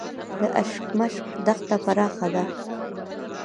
د اشکمش دښته پراخه ده